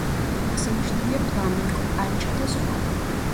აღსანიშნავია ფლამინგო, ყანჩა და სხვა.